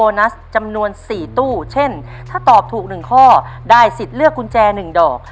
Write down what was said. ไปรุ้นขายตู้โบนัสจำนวน๔ตู้เช่นถ้าตอบถูก๑ข้อได้สิทธิ์เลือกกุญแจ๑ดอก